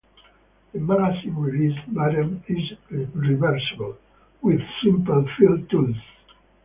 The magazine release button is reversible with simple field tools.